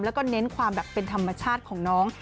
แล้วก็เน้นความแบบเป็นธรรมชาติของน้อง